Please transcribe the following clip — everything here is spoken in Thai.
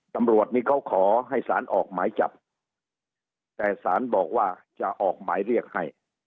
ตำรวจนี่เขาขอให้สารออกหมายจับแต่สารบอกว่าจะออกหมายเรียกให้